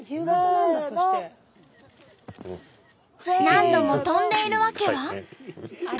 何度も跳んでいる訳は。